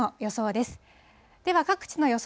では各地の予想